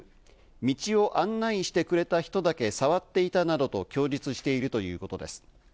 道を案内してくれた人だけ触っていたなどと供述しているということです。